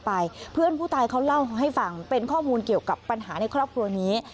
เพื่อนผู้ตายเขาเล่าให้ฟังเป็นข้อมูลเกี่ยวกับปัญหาในครอบครัวนี้